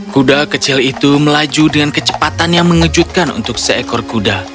kuda kecil itu melaju dengan kecepatan yang mengejutkan untuk seekor kuda